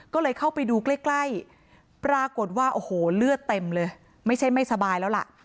ก็เลยเข้าไปดูใกล้ใกล้ปรากฏว่าโอ้โหเลือดเต็มเลยไม่ใช่ไม่สบายแล้วล่ะ